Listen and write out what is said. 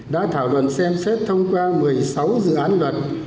đã thảo luận xem xét thông qua một mươi sáu dự án luật